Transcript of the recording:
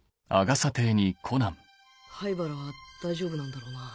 灰原は大丈夫なんだろうな？